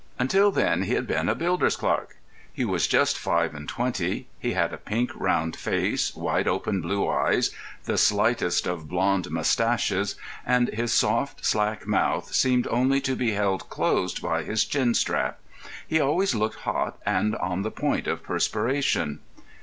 Until then he had been a builder's clerk. He was just five and twenty. He had a pink, round face, wide open blue eyes, the slightest of blond moustaches, and his soft, slack mouth seemed only to be held closed by his chin strap. He always looked hot and on the point of perspiration.